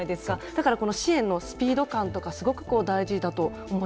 だからこの支援のスピード感とかすごく大事だと思いますね。